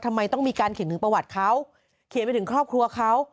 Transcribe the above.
ทำไมต้องมีการเขียนถึงประวัติเขาเขียนไปถึงครอบครัวเขา